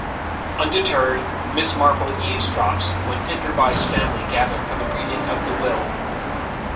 Undeterred, Miss Marple eavesdrops when Enderby's family gather for the reading of the Will.